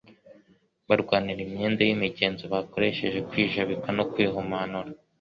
barwanira imyanda y'imigenzo, bakoresheje kwijabika no kwihumanura,